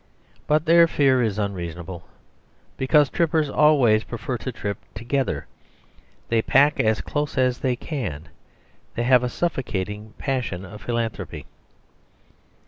But their fear is unreasonable; because trippers always prefer to trip together; they pack as close as they can; they have a suffocating passion of philanthropy.